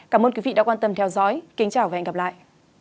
cảm ơn quý vị đã quan tâm theo dõi kính chào và hẹn gặp lại